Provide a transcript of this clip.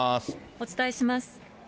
お伝えします。